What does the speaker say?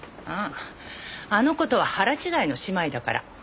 あああの子とは腹違いの姉妹だから。